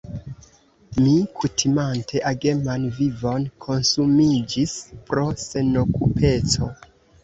Mi, kutimante ageman vivon, konsumiĝis pro senokupeco.